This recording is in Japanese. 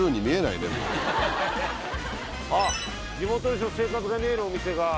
あっ地元の人の生活が見えるお店が。